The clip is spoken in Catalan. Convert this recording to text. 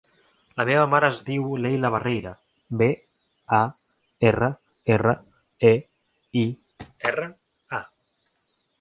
La meva mare es diu Leila Barreira: be, a, erra, erra, e, i, erra, a.